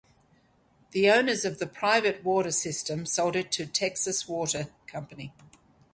The owners of the private water system sold it to Texas Water Company.